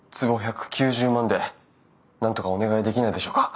坪１９０万でなんとかお願いできないでしょうか？